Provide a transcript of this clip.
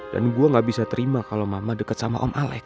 dan gue gak bisa terima kalau mama deket sama om alex